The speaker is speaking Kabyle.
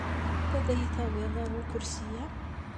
Tzemreḍ ad iyi-tawiḍ ar ukersi-a?